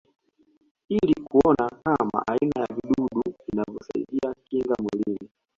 Ili kuona kama aina ya vijidudu vinavyosaidia kinga mwilini